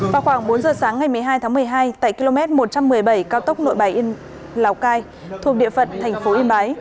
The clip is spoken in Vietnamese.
vào khoảng bốn giờ sáng ngày một mươi hai tháng một mươi hai tại km một trăm một mươi bảy cao tốc nội bài lào cai thuộc địa phận thành phố yên bái